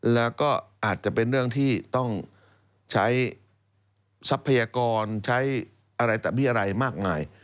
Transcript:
แล้วก็อาจจะเป็นเรื่องที่ต้องใช้ทรัพยากรใช้อะไรตะเบี้ยอะไรมากมาย